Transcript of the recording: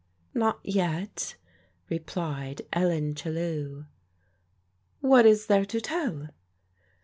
" Not yet," replied Ellen Chellew. " What is there to tell